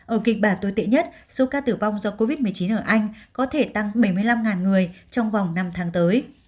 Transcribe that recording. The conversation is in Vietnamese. ở kịch bản tồi tệ nhất số ca tử vong do covid một mươi chín ở anh có thể tăng bảy mươi năm người trong vòng năm tháng tới